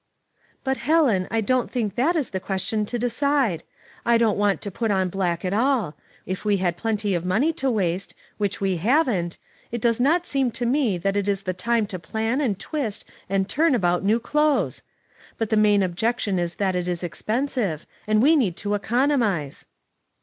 " But, Helen, I don't think that is the question to decide. I don't want to put on black at alL If we had plenty of money to waste, which we haven't, it does not seem to me that it is the time to plan and twist and turn about new clothes. But the main objection is that it is expensive, and we have need to economize."